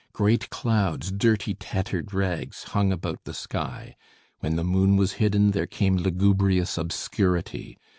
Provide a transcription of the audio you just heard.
Great clouds, dirty tattered rags hung about the sky; when the moon was hidden there came lugubrious obscurity.